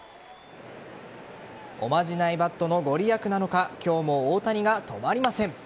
おまじないバットの御利益なのか今日も大谷が止まりません。